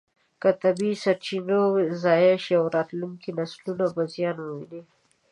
که طبیعي سرچینې ضایع شي، راتلونکي نسلونه به زیان وویني.